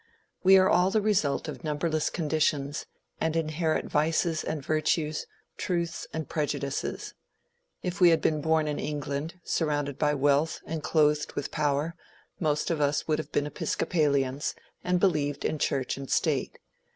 We are all the result of numberless conditions, and inherit vices and virtues, truths and prejudices. If we had been born in England, surrounded by wealth and clothed with power, most of us would have been Episcopalians, and believed in Church and State.